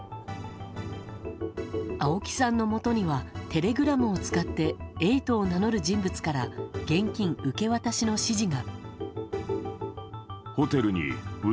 青木さんのもとにはテレグラムを使ってエイトを名乗る人物から現金受け渡しの指示が。